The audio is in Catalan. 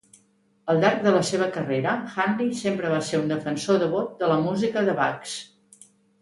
Al llarg de la seva carrera, Handley sempre va ser un defensor devot de la música de Bax.